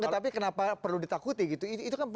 tapi kenapa perlu ditakuti itu kan